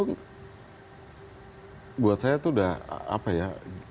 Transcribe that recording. buat saya itu udah apa ya